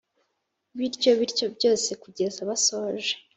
bityo bityo byose kugeza basoje.